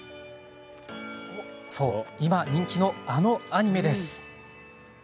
そう、今人気のあのアニメです。